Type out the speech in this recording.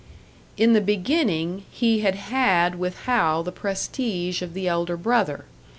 In the beginning, he had had with Hal the prestige of the elder brother.